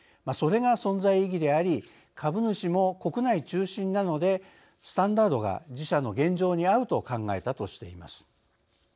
それが存在意義であり株主も国内中心なのでスタンダードが自社の現状に合うと考えたとしています。